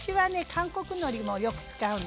韓国のりもよく使うのね。